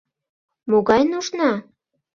Могай нужна?